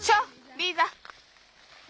リーザ！